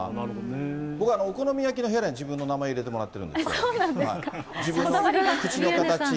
僕はお好み焼きのへらに自分の名前入れてもらってるんですよ。